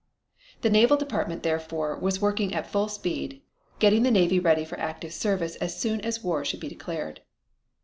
The Naval Department, therefore, was working at full speed, getting the Navy ready for active service as soon as war should be declared.